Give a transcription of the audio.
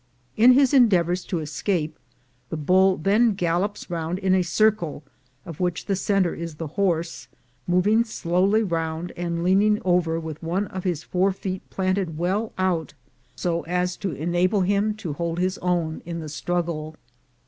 In his en deavors to escape, the bull then gallops round in a circle, of which the center is the horse, moving slowly round, and leaning over with one of his fore feet planted well out, so as to enable him to hold his own 300 THE GOLD HUNTERS in the struggle.